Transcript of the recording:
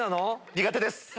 苦手です。